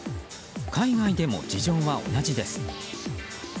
海外でも事情は同じです。